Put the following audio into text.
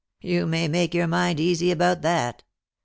You may make you mind easy about that.